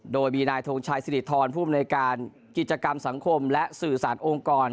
โดยมีนายทงชัยสิริธรผู้อำนวยการกิจกรรมสังคมและสื่อสารองค์กร